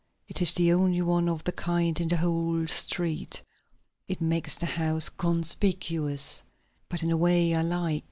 "It is the only one of the kind on the whole street. It makes the house conspicuous, but in a way I like.